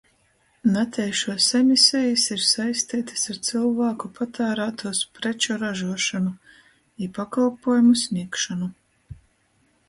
Nateišuos emisejis ir saisteitys ar cylvāku patārātūs preču ražuošonu i pakolpuojumu snīgšonu.